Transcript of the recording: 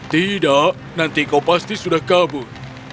tidak nanti kau pasti sudah kabur